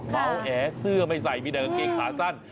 เมาแอเสื้อไม่ใส่มีแต่กางเกงขาสั้น